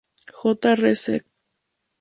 J. Res., Sect.